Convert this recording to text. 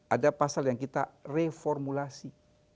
ada pasal yang kita reformulasi